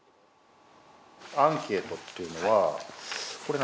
アンケートっていうのはこれ、何？